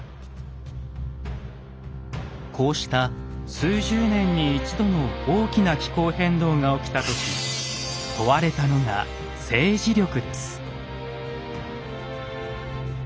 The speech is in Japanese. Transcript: こうした数十年に一度の大きな気候変動が起きた時問われたのが政治力です。